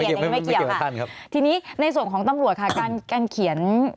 ถ้าท่านครับทีนี้ในส่วนของตำรวจค่ะการการเขียน